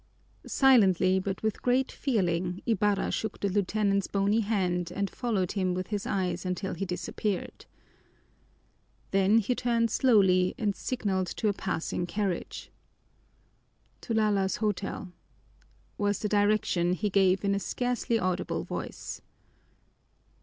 Silently, but with great feeling, Ibarra shook the lieutenant's bony hand and followed him with his eyes until he disappeared. Then he turned slowly and signaled to a passing carriage. "To Lala's Hotel," was the direction he gave in a scarcely audible voice.